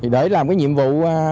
để làm nhiệm vụ